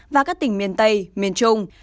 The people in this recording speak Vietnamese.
và các tỉnh miền tây miền trung